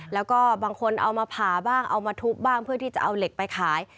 แล้วก็บางคนเอามาผ่าบ้างเอามาทุบบ้างเพื่อที่จะเอาเหล็กไปขาย